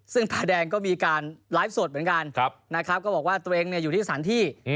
ซึ่งตาแดงก็มีการไลฟ์สดเหมือนกันนะครับก็บอกว่าตัวเองอยู่ที่สถานที่